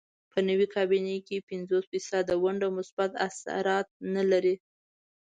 په نوې کابینې کې پنځوس فیصده ونډه مثبت اثرات نه لري.